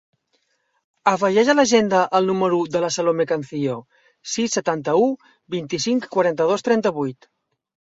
Afegeix a l'agenda el número de la Salomé Cancio: sis, setanta-u, vint-i-cinc, quaranta-dos, trenta-vuit.